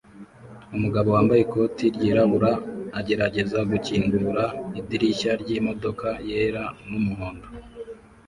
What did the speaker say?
Umugabo wambaye ikoti ryirabura agerageza gukingura idirishya ryimodoka yera n'umuhondo